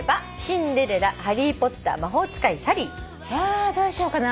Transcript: わどうしようかな。